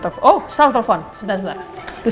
oh salah telfon sebentar sebentar